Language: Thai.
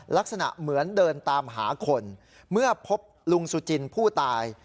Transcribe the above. ลักษณะเหมือนเดินตามหาคนเมื่อพบลุงสุจินผู้ตาย